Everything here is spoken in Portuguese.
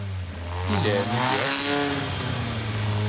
Guilherme e Beatriz